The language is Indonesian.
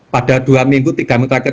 pada dua minggu tiga minggu terakhir